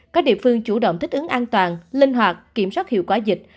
các địa phương chủ động thích ứng an toàn linh hoạt kiểm soát hiệu quả dịch